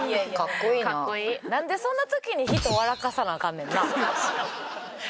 なんでそんな時に人笑かさなアカンねんな。